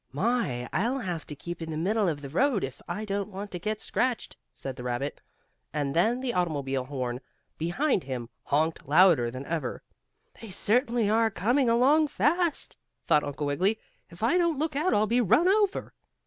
"My! I'll have to keep in the middle of the road if I don't want to get scratched," said the rabbit. And then the automobile horn behind him honked louder than ever. "They are certainly coming along fast," thought Uncle Wiggily. "If I don't look out I'll be run over."